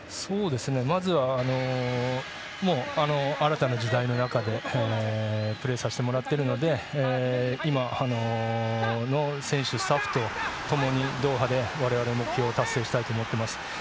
まずは新たな時代の中でプレーさせてもらっているので今の選手、スタッフとともにドーハで我々、目標を達成したいと思っています。